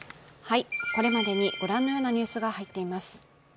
これまでにご覧のようなニュースが入っています。